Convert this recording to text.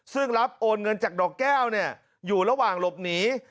ซึ่งรับโอนเงินจากดอกแก้วอยู่ระหว่างหลบหนี